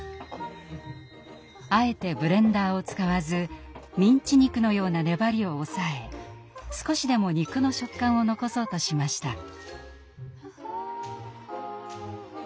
あえてブレンダーを使わずミンチ肉のような粘りを抑え少しでも肉の食感を残そうとしました。